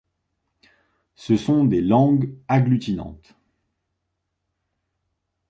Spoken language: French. Ce sont des langues agglutinantes.